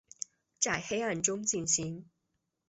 在黑暗中进行